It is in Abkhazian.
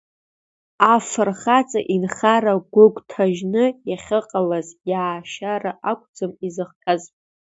Афырхаҵа инхара гәыгәҭажьны иахьыҟаз иаашьара акәӡам изыхҟьаз.